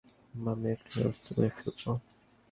আমি একটা ব্যবস্থা করে ফেলবো।